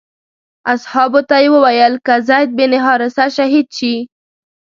اصحابو ته یې وویل که زید بن حارثه شهید شي.